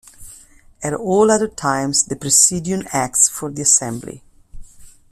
At all other times, the Presidium acts for the Assembly.